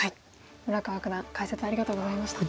村川九段解説ありがとうございました。